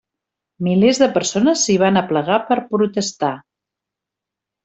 Milers de persones s'hi van aplegar per protestar.